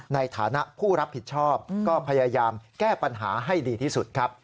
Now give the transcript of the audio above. ในฐานะผู้รับผิดชอบก็พยายามแก้ปัญหาให้ดีที่สุดครับ